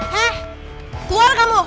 hei keluar kamu